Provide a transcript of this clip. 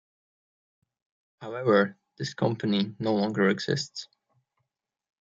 However, this company no longer exists.